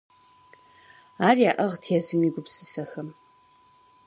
Ар яӏыгът езым и гупсысэхэм…